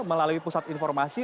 melalui pusat informasi